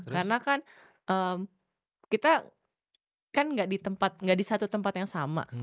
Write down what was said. karena kan kita kan gak di satu tempat yang sama